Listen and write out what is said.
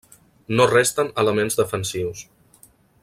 No resten elements defensius.